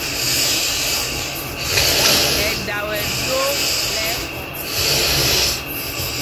Ɛdaa wɛ ɗó lɛ́ ɛkwɔ̌ŋ.